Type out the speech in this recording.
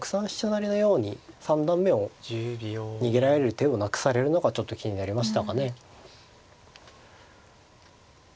成のように三段目を逃げられる手をなくされるのがちょっと気になりましたかね。